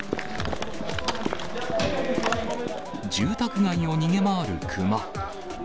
住宅街を逃げ回る熊。